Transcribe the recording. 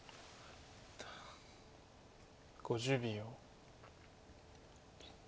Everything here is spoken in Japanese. ５０秒。